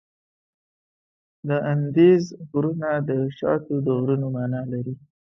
د اندیز غرونه د شاتو د غرونو معنا لري.